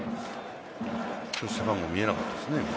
背番号、見えなかったですね